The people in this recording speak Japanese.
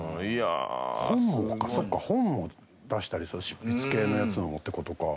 本もそっか本も出したりする執筆系のやつもって事か。